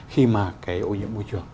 khi mà cái ô nhiễm môi trường